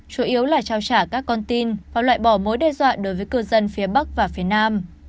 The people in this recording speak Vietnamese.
chủ yếu là trao trả các con tin hoặc loại bỏ mối đe dọa đối với cư dân phía bắc và phía nam